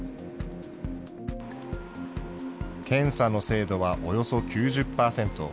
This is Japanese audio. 検査の精度はおよそ９０％。